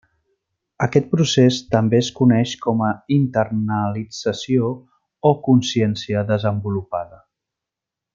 Aquest procés també es coneix com a internalització o consciència desenvolupada.